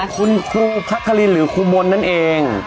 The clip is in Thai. คุณครูพระคลินหรือครูมนต์นั่นเอง